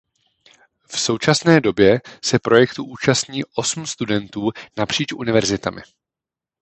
V současné době se projektu účastní osm studentů napříč univerzitami.